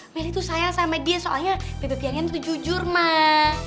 melih tuh sayang sama dia soalnya bebe pianyan tuh jujur mah